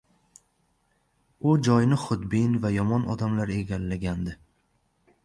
– U joyni xudbin va yomon odamlar egallagandi.